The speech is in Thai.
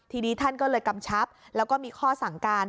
ทีนี้ท่านก็เลยกำชับแล้วก็มีข้อสั่งการ